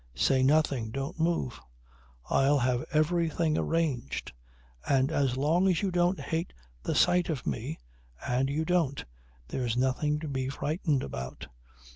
Say nothing. Don't move. I'll have everything arranged; and as long as you don't hate the sight of me and you don't there's nothing to be frightened about.